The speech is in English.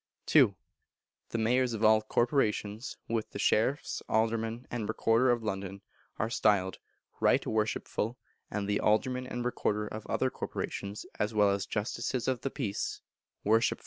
ii. The Mayors of all Corporations, with the Sheriffs, Aldermen, and Recorder of London, are styled Right Worshipful; and the Aldermen and Recorder of other Corporations, as well as Justices of the Peace, Worshipful.